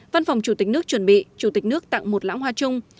văn phòng chủ tịch nước chuẩn bị chủ tịch nước tặng một lãng hoa chung